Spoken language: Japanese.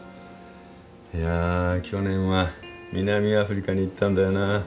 いや去年は南アフリカに行ったんだよな。